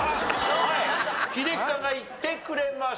英樹さんがいってくれました。